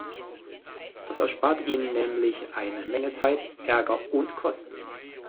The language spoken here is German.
Das erspart ihnen nämlich eine Menge Zeit, Ärger und Kosten.